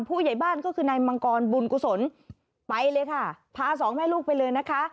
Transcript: ผู้ใหญ่บ้านก็คือนายมังกรบุญกุศลไปเลยค่ะพาสองแม่ลูกไปเลยนะคะ